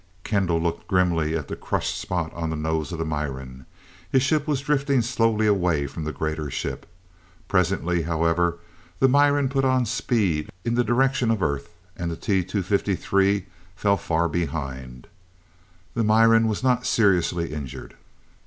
Kendall looked grimly at the crushed spot on the nose of the Miran. His ship was drifting slowly away from the greater ship. Presently, however, the Miran put on speed in the direction of Earth, and the T 253 fell far behind. The Miran was not seriously injured.